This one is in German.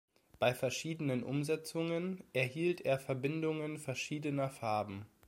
Bei verschiedenen Umsetzungen erhielt er Verbindungen verschiedener Farben.